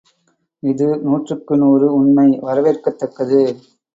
இது நூற்றுக்கு நூறு உண்மை வரவேற்கத்தக்கது.